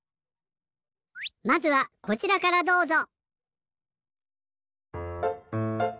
まずはこちらからどうぞ。